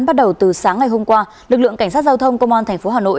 bắt đầu từ sáng ngày hôm qua lực lượng cảnh sát giao thông công an tp hà nội